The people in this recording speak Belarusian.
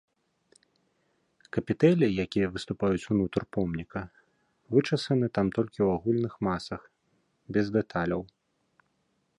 Капітэлі, якія выступаюць ўнутр помніка, вычасаны там толькі ў агульных масах, без дэталяў.